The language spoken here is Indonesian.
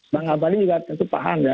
bang abadi juga tentu paham ya